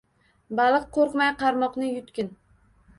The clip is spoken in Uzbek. Baliq, qo’rqmay qarmoqni yutgin –